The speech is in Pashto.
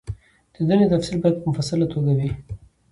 د دندې تفصیل باید په مفصله توګه وي.